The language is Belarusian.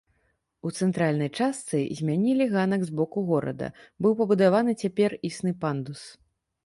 У цэнтральнай частцы змянілі ганак з боку горада, быў пабудаваны цяпер існы пандус.